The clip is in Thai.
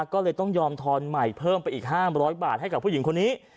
ก็เลยต้องยอมทอนใหม่เพิ่มไปอีก๕๐๐บาทให้กับผู้หญิงคนนี้